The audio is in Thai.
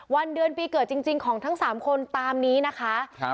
วันเดือนปีเกิดจริงของทั้งสามคนตามนี้นะคะ